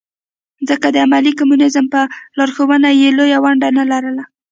ځکه د عملي کمونیزم په لارښوونه کې یې لویه ونډه نه لرله.